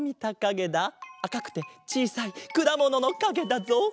あかくてちいさいくだもののかげだぞ！